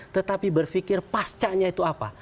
tetapi berpikir pascanya itu apa